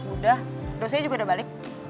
udah dosis juga udah balik